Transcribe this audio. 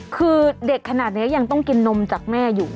คือเด็กขนาดนี้ยังต้องกินนมจากแม่อยู่